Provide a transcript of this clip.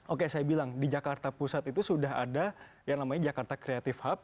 oke saya bilang di jakarta pusat itu sudah ada yang namanya jakarta creative hub